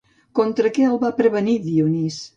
Contra què el va prevenir Dionís?